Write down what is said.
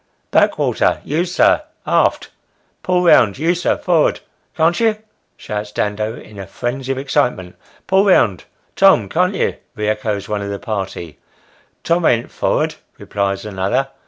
" Back water, you sir, aft ; pull round, you sir, for 'ad, can't you ?" shouts Dando, in a frenzy of excitement. " Pull round, Tom, can't you ?" re echoes one of the party. " Tom an't for'ad," replies another.